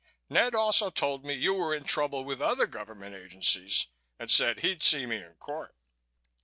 Ned also told me you were in trouble with other governmental agencies and said he'd see me in court."